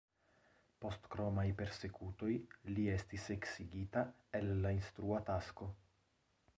Post kromaj persekutoj, li estis eksigita el la instrua tasko.